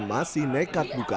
masih nekat buka